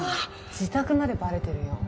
自宅までバレてるよ。